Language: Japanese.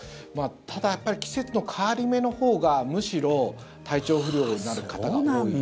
ただ、やっぱり季節の変わり目のほうがむしろ体調不良になる方が多い。